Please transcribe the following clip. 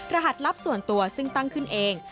รหัสลับส่วนตัวซึ่งตั้งขึ้นเอง